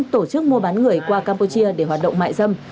tổ chức mua bán người qua campuchia để hoạt động mại dâm